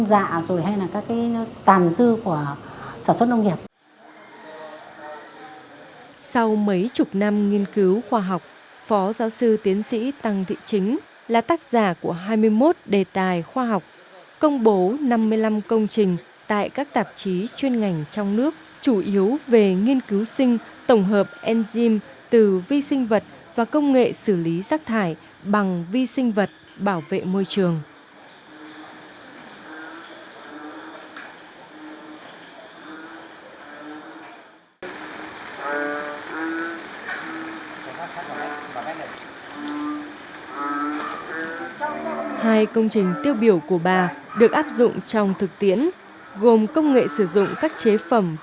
giác thải thành sản phẩm phục vụ sản xuất sạch bền vững là điều mà phó giáo sư tiến sĩ tăng thị chính trưởng phòng viện hàn lâm khoa học công nghệ việt nam